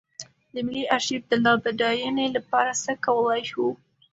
د ملي ارشیف د لا بډاینې لپاره څه کولی شو.